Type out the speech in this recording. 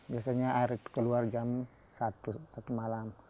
biasanya hari itu keluar jam satu satu malam